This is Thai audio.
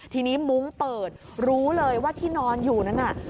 ทีนี้มุ้งเปิดรู้เลยว่าที่นอนอยู่นั้นน่ะ